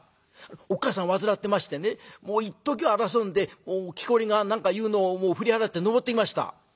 「おっ母さん患ってましてねもういっときを争うんできこりが何か言うのを振り払って登ってきました」。